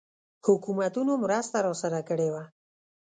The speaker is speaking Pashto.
حکومتونو مرسته راسره کړې وه.